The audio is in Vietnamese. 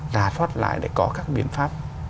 rà thoát lại để có các biến pháp